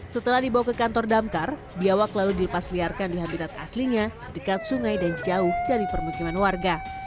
setelah dibawa ke kantor damkar biawak lalu dilepas liarkan di habitat aslinya dekat sungai dan jauh dari permukiman warga